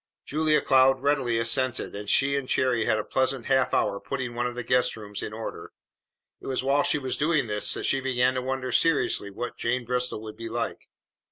Julia Cloud readily assented, and she and Cherry had a pleasant half hour putting one of the guest rooms in order. It was while she was doing this that she began to wonder seriously what Jane Bristol would be like.